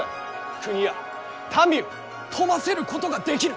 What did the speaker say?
国や民を富ませることができる！